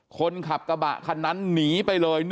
คนขับกระบะคันนั้นหนีไปเลย